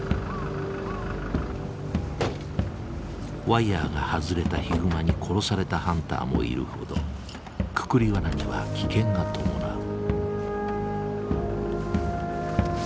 ワイヤーが外れたヒグマに殺されたハンターもいるほどくくりワナには危険が伴う。